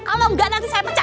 kalau enggak nanti saya pecah